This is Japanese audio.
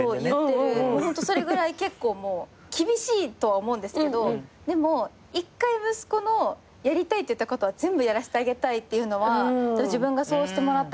それぐらい結構厳しいとは思うんですけどでも１回息子のやりたいって言ったことは全部やらせてあげたいっていうのは自分がそうしてもらったからかあるんですよ。